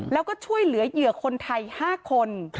แล้วก็ช่วยเหลือเหยื่อคนไทย๕คน